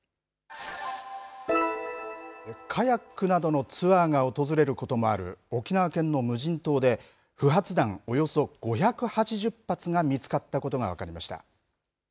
カヤックなどのツアーが訪れることもある沖縄県の無人島で不発弾およそ５８０発が見つかったことが分かりました。